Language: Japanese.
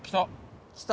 来た！